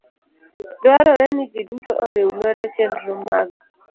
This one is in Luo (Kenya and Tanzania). Dwarore ni ji duto oriw lwedo chenro ma g